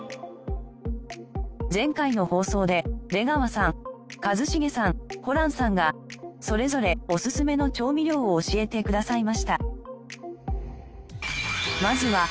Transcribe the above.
前回の放送で出川さん一茂さんホランさんがそれぞれオススメの調味料を教えてくださいました。